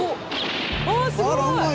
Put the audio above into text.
あすごい！